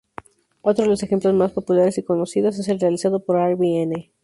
Otro de los ejemplos más populares y conocidos es el realizado por Airbnb.